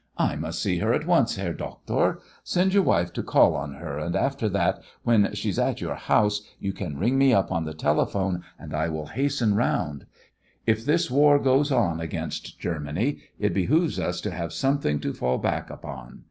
I must see her at once. Herr Doctor, send your wife to call on her, and after that, when she's at your house, you can ring me up on the telephone, and I will hasten round. If this war goes on against Germany, it behoves us to have something to fall back upon.